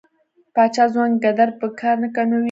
پاچا ځوان کدر په کار نه ګماري .